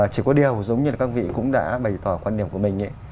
chỉ có điều giống như là các vị cũng đã bày tỏ quan điểm của mình